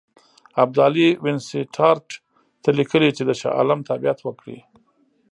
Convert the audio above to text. ابدالي وینسیټارټ ته لیکلي چې د شاه عالم تابعیت وکړي.